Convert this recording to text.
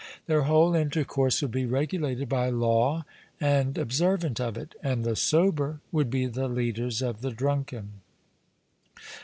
Their whole intercourse would be regulated by law and observant of it, and the sober would be the leaders of the drunken.